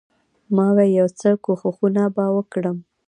ما وې يو څه کښښونه به وکړم.